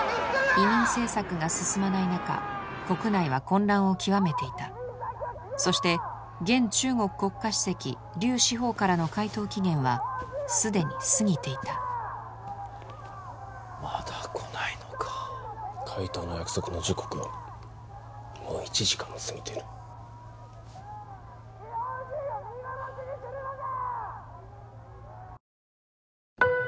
移民政策が進まない中国内は混乱を極めていたそして現中国国家主席劉至邦からの回答期限はすでに過ぎていたまだ来ないのか回答の約束の時刻をもう一時間も過ぎている日本人を見殺しにするのか！？